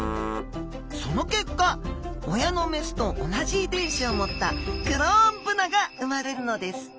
その結果親の雌と同じ遺伝子を持ったクローンブナが生まれるのです！